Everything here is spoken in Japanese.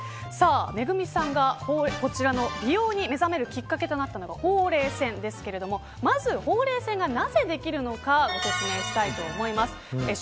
ＭＥＧＵＭＩさんが美容に目覚めるきっかけとなったのがほうれい線ですがまずほうれい線がなぜできるのか解説したいと思います。